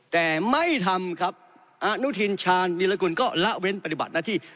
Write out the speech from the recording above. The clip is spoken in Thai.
แต่ไม่ทำครับอนุทินชาญวิรากุลก็ละเว้นปฏิบัติหน้าที่